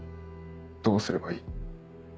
どうすればいい？」。